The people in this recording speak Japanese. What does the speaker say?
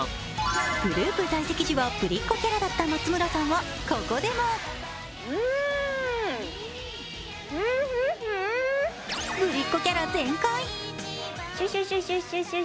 グループ在籍時はぶりっこキャラだった松村さんはここでもぶりっこキャラ全開。